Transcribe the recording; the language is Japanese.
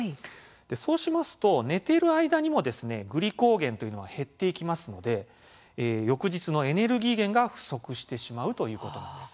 そうしますと、寝ている間にもグリコーゲンというのは減っていきますので翌日のエネルギー源が不足してしまうということなんです。